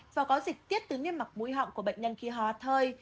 và có dịch tiết tứ nhiên mặc mũi họng của bệnh nhân khi hoa thơi